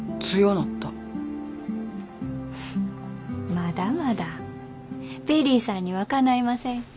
フフッまだまだベリーさんにはかないません。